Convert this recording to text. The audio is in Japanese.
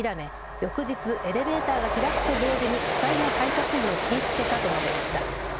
翌日、エレベーターが開くと同時に２人の配達員を切りつけたと述べました。